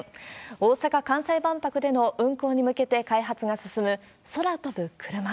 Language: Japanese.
大阪・関西万博での運航に向けて開発が進む、空飛ぶクルマ。